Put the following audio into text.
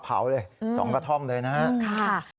เผาเลยสองกระท่องเลยนะค่ะ